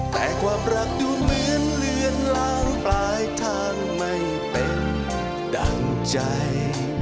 แต่ความรักดูเหมือนเลือนล้างปลายทางไม่เป็นดั่งใจ